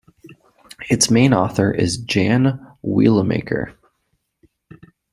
Its main author is Jan Wielemaker.